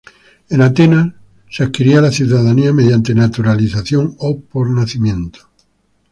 En Atenas, se adquiría la ciudadanía mediante naturalización o por nacimiento.